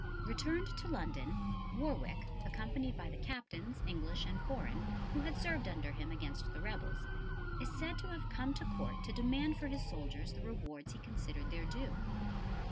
Returned to London, Warwick, accompanied by the captains, English and foreign, who had served under him against the rebels, is said to have come to Court to demand for his soldiers the rewards he considered their due.